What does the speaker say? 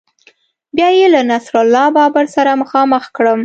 بیا یې له نصیر الله بابر سره مخامخ کړم